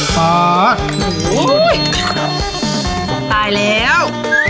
โอ้โหตายแล้ว